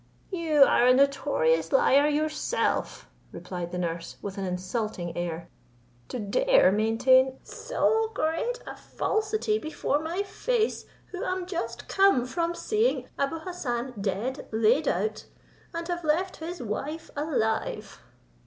"You are a notorious liar yourself," replied the nurse, with an insulting air, "to dare maintain so great a falsity before my face, who am just come from seeing Abou Hassan dead, laid out, and have left his wife alive."